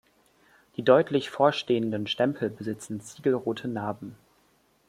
Die deutlich vorstehenden Stempel besitzen ziegelrote Narben.